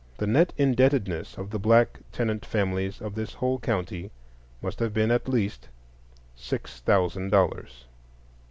The net indebtedness of the black tenant families of the whole county must have been at least sixty thousand dollars.